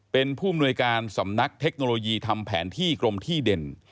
เป็นผู้มนวยการสำนักเทคโนโลยีทำแผนที่กรมที่เด่น